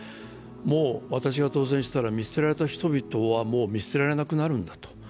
もう私が当選したら見捨てられた人々はもう見捨てられなくなるんだと。